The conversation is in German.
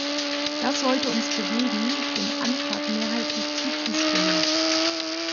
Das sollte uns bewegen, dem Antrag mehrheitlich zuzustimmen.